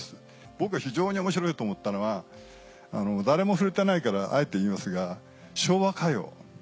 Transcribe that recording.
僕が非常に面白いと思ったのは誰も触れてないからあえて言いますが昭和歌謡。